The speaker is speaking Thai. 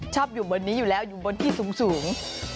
อยู่บนนี้อยู่แล้วอยู่บนที่สูง